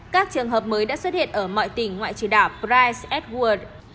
các trường hợp mới đã xuất hiện ở mọi tỉnh ngoại trừ đảo price edward